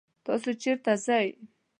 تاسو چرته ځئ؟